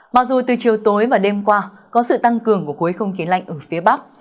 mặc dù từ chiều tối và đêm qua có sự tăng cường của khối không khí lạnh ở phía bắc